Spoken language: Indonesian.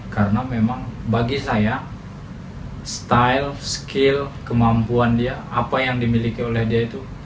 karena memang bagi saya style skill kemampuan dia apa yang dimiliki oleh dia itu